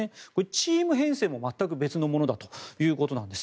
チーム編成も全く別のものだということなんです。